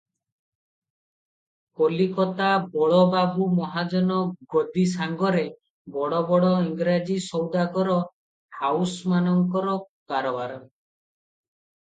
କଲିକତା ବଳବାବୁ ମହାଜନ ଗଦି ସାଙ୍ଗରେ ବଡ ବଡ ଇଂରାଜ ସଉଦାଗର ହାଉସମାନଙ୍କର କାରବାର ।